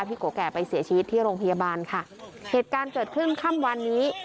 โกแก่ไปเสียชีวิตที่โรงพยาบาลค่ะเหตุการณ์เกิดขึ้นค่ำวันนี้